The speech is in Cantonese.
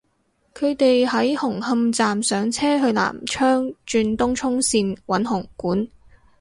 佢哋喺紅磡站上車去南昌轉東涌綫搵紅館